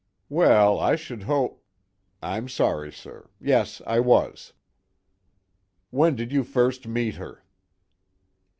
"Well, I sh'd hope I'm sorry, sir. Yes, I was." "When did you first meet her?"